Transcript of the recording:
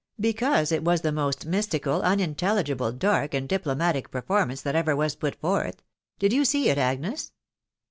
Because it was the meat unintelligible, dark, and diplomatic performance that put forth. Did yon seek, Agnes?"